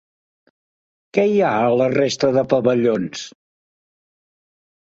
Què hi ha a la resta de pavellons?